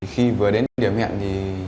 khi vừa đến điểm hẹn